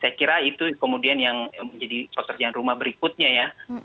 saya kira itu kemudian yang menjadi pekerjaan rumah berikutnya ya